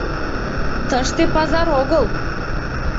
— Тыште пазар огыл.